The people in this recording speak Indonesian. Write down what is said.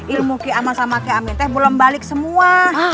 ilmu keaman sama keamin belum balik semua